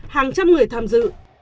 hàng trăm người tham dự